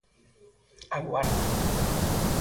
A Guarda.